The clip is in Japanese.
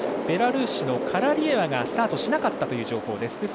ベラルーシのカラリエワがスタートしなかったという情報です。